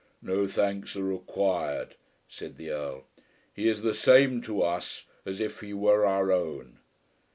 "No thanks are required," said the Earl. "He is the same to us as if he were our own."